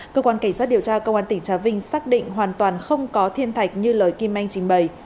cơ quan cảnh sát điều tra công an tỉnh trà vinh xác định hoàn toàn không có thiên thạch như lời kim anh trình bày